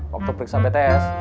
waktu periksa pts